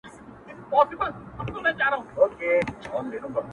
ما خوب كړى جانانه د ښكلا پر ځـنــگانــه ـ